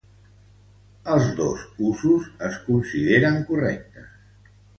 Els dos usos es consideren correctes.